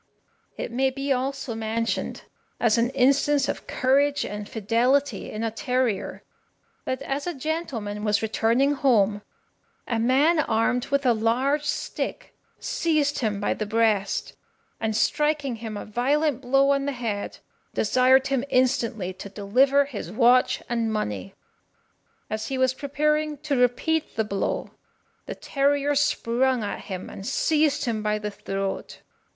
It may be also mentioned as an instance of courage and fidelity in a terrier, that as a gentleman was returning home, a man armed with a large stick seized him by the breast, and striking him a violent blow on the head, desired him instantly to deliver his watch and money. As he was preparing to repeat the blow, the terrier sprung at him, and seized him by the throat.